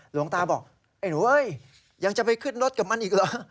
หลวงตาบอกไอ้หนูเอ้ยยังจะไปขึ้นรถกับมันอีกเหรอ